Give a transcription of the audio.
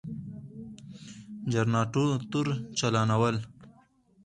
جنراتور چالانول ،